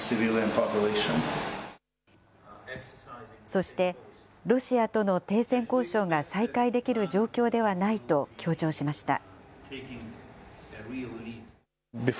そして、ロシアとの停戦交渉が再開できる状況ではないと強調しました。